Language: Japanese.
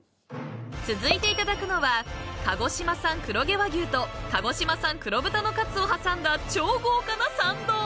［続いていただくのは鹿児島産黒毛和牛と鹿児島産黒豚のカツを挟んだ超豪華なサンド！］